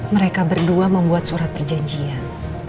mereka berdua membuat surat perjanjian